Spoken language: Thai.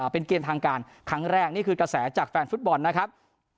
เป็นเกณฑ์ทางการครั้งแรกนี่คือกระแสจากแฟนฟุตบอลนะครับ